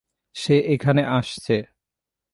সে এখানে আসছে।